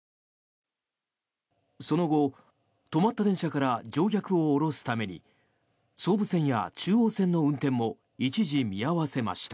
その後、止まった電車から乗客を降ろすために総武線や中央線の運転も一時見合わせました。